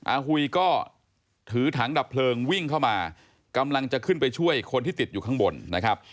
หุยก็ถือถังดับเพลิงวิ่งเข้ามากำลังจะขึ้นไปช่วยคนที่ติดอยู่ข้างบนนะครับ